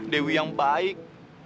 dewi yang baik